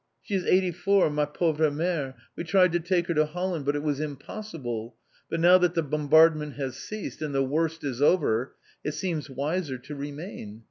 "She is eighty four, ma pauvre mère! We tried to take her to Holland, but it was impossible. But now that the bombardment has ceased and the worst is over, it seems wiser to remain.